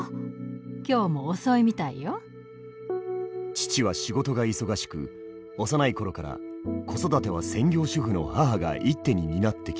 父は仕事が忙しく幼い頃から子育ては専業主婦の母が一手に担ってきた。